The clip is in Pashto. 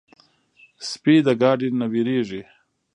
سپي د ګاډي نه وېرېږي.